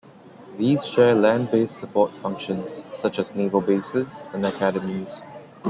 These share land-based support functions, such as naval bases and academies.